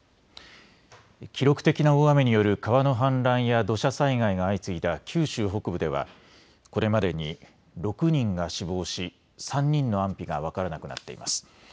記録的な大雨による川の氾濫や土砂災害が相次いだ九州北部ではこれまでに６人が死亡し、３人の安否が分からなくなっています。